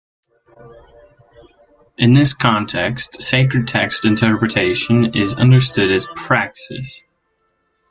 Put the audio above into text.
In this context, sacred text interpretation is understood as "praxis".